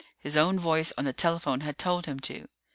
His own voice on the telephone had told him to.